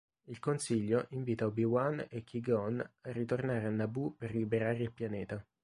Il Consiglio invita Obi-Wan e Qui-Gon a ritornare a Naboo per liberare il pianeta.